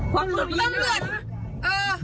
ตำรวจ